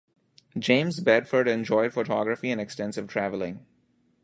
James Bedford enjoyed photography and extensive traveling.